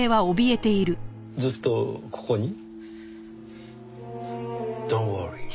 ずっとここに？